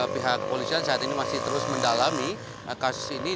pihak kepolisian saat ini masih terus mendalami kasus ini